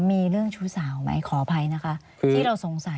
มีเรื่องชู้สาวไหมขออภัยนะคะที่เราสงสัย